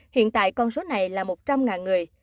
hiện tại con số này là một trăm linh người